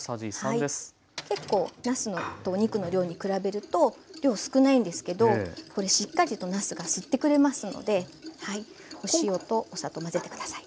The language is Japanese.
結構なすとお肉の量に比べると量少ないんですけどこれしっかりとなすが吸ってくれますのでお塩とお砂糖混ぜて下さい。